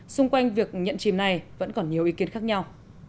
xung quanh việc nhận chìm này vẫn còn nhiều ý kiến khác nhau